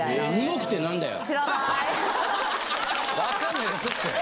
分かんないですって。